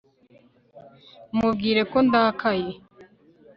mubwire ko ndakaye